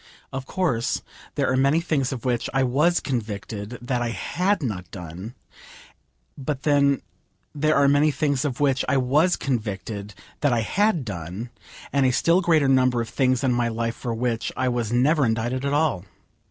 Of course there are many things of which I was convicted that I had not done, but then there are many things of which I was convicted that I had done, and a still greater number of things in my life for which I was never indicted at all.